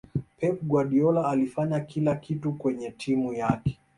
pep guardiola alifanya kila kitu kwenye timu yake